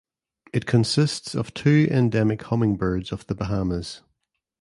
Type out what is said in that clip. It consists of two endemic hummingbirds of the Bahamas.